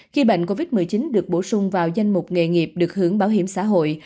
khi bệnh covid một mươi chín được bổ sung vào danh mục nghề nghiệp được hưởng bảo hiểm xã hội